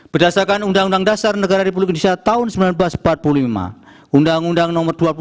berdasarkan undang undang dasar negara republik indonesia tahun seribu sembilan ratus empat puluh lima undang undang nomor dua puluh